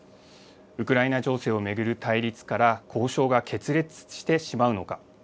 ウクライナ情勢を巡る対立から交渉が決裂してしまうのか。